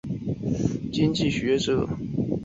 是一名卓越的马克思主义经济学者。